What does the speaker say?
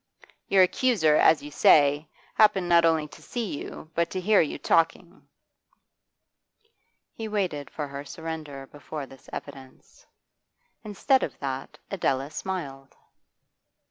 'Your accuser, as you say, happened not only to see you, but to hear you talking.' He waited for her surrender before this evidence. Instead of that Adela smiled.